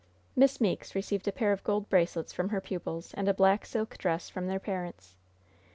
Miss Meeke received a pair of gold bracelets from her pupils and a black silk dress from their parents.